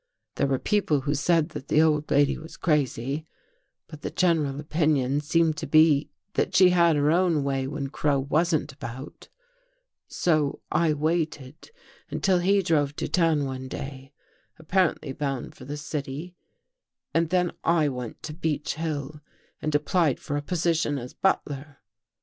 There were people who said that the old lady was crazy, but the general opinion seemed to be that she had her own way when Crow wasn't about. " So I waited until he drove to town one day, apparently bound for the city and then I went to Beech Hill and applied for a position as butler.